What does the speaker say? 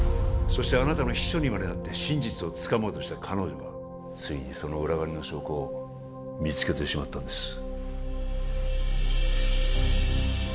そしてあなたの秘書にまでなって真実をつかもうとした彼女がついにその裏金の証拠を見つけてしまったんです